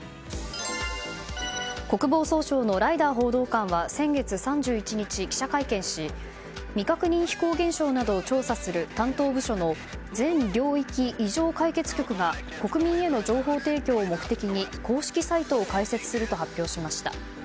国防総省のライダー報道官は先月３１日、記者会見し未確認飛行現象などを調査する担当部署の全領域異常解決局が国民への情報提供を目的に公式サイトを開設すると発表しました。